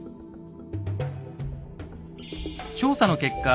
調査の結果